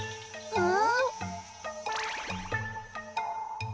うん？